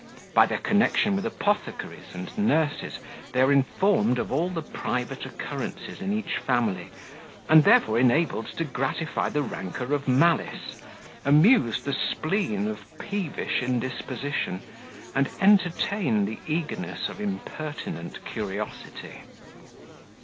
By their connection with apothecaries and nurses, they are informed of all the private occurrences in each family, and therefore enabled to gratify the rancour of malice, amuse the spleen of peevish indisposition, and entertain the eagerness of impertinent curiosity.